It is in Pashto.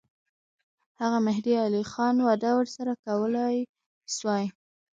هغه مهدي علي خان وعده ورسره کولای سوای.